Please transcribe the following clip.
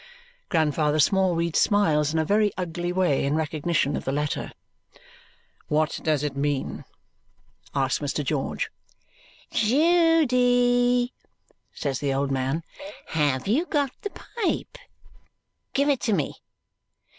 Grandfather Smallweed smiles in a very ugly way in recognition of the letter. "What does it mean?" asks Mr. George. "Judy," says the old man. "Have you got the pipe? Give it to me.